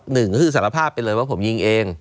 หนึ่งคือสารภาพเป็นเรื่องว่าผมยิงเอง